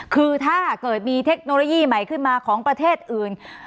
คือถ้าเกิดมีเทคโนโลยีใหม่ขึ้นมาของประเทศอื่น